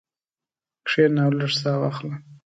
کښېنه او لږه ساه واخله.